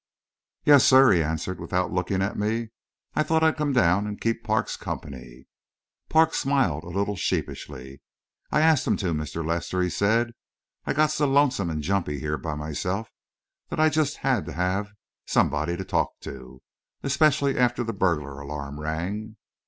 "Yes, sir," he answered, without looking at me. "I thought I'd come down and keep Parks company." Parks smiled a little sheepishly. "I asked him to, Mr. Lester," he said. "I got so lonesome and jumpy here by myself that I just had to have somebody to talk to. Especially, after the burglar alarm rang."